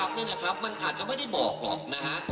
การหวดไม่รับนี่นะครับมันอาจจะไม่ได้บอกหรอกนะฮะ